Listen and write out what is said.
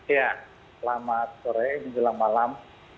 ya selamat sore menjelang malam